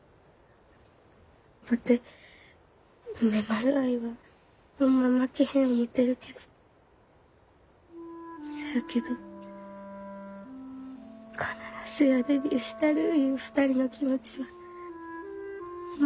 ワテ梅丸愛はホンマ負けへん思てるけどせやけど必ずやデビューしたるいう２人の気持ちはホンマ